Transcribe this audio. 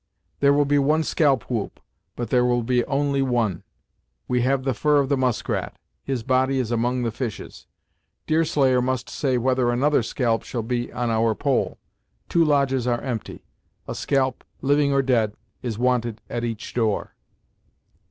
There will be one scalp whoop, but there will be only one. We have the fur of the Muskrat; his body is among the fishes. Deerslayer must say whether another scalp shall be on our pole. Two lodges are empty; a scalp, living or dead, is wanted at each door."